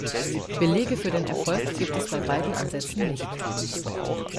Belege für den Erfolg gibt es bei beiden Ansätzen nicht.